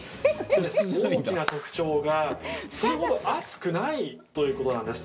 大きな特徴がそれほど暑くないということなんです。